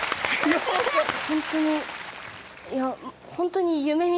本当に。